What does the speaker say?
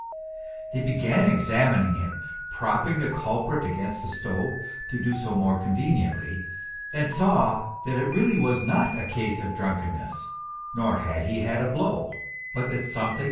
They began examining him, propping the culprit against the stove to do so more conveniently, and saw that it really was not a taae of drunkenness, nor had he had a blow, but that something MB.